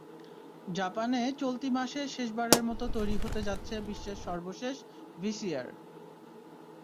জাপানে চলতি মাসে শেষবারের মতো তৈরি হতে যাচ্ছে বিশ্বের সর্বশেষ ভিসিআর।